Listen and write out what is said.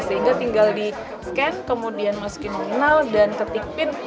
sehingga tinggal di scan kemudian meski nominal dan ketik pin